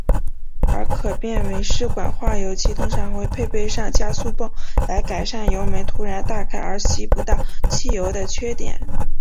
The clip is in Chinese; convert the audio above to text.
而可变文氏管化油器通常会配备上加速泵来改善油门突然大开而吸不到汽油的缺点。